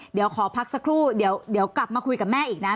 เดี๋ยวขอพักสักครู่เดี๋ยวกลับมาคุยกับแม่อีกนะ